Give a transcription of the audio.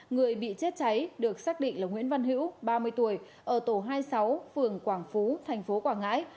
người bị chết cháy được xác định là nguyễn văn hữu ba mươi tuổi ở tổ hai mươi sáu phường quảng phú thành phố quảng ngãi